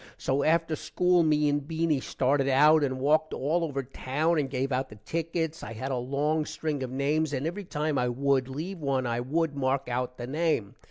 so after school me and Beany started out and walked all over town and give out the tickets. i had a long string of names and every time i wood leave one i wood mark out the name.